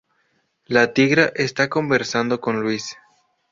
La Tigra está conversando con Luis.